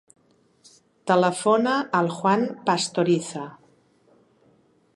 Telefona al Juan Pastoriza.